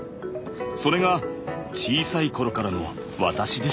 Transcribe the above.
それが小さい頃からの私でした。